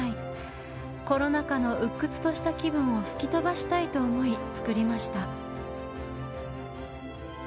コロナ禍の鬱屈とした気分を吹き飛ばしたいと思い作りました。